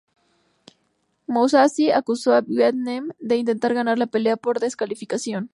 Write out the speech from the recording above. Mousasi acusó a Weidman de intentar ganar la pelea por descalificación.